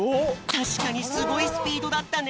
たしかにすごいスピードだったね。